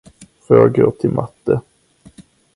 Jag får gå till Matte.